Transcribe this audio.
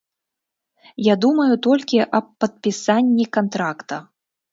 Я думаю толькі аб падпісанні кантракта.